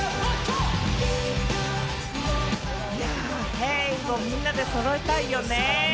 「ヘイ！」をみんなで揃えたいよね。